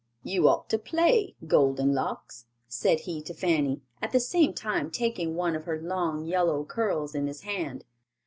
"You ought to play, golden locks," said he to Fanny, at the same time taking one of her long yellow curls in his hand.